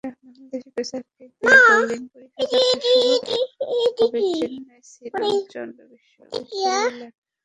বাংলাদেশের পেসারকে দিয়েই বোলিং পরীক্ষায় যাত্রা শুরু হবে চেন্নাই শ্রীরামাচন্দ্র বিশ্ববিদ্যালয় ল্যাবের।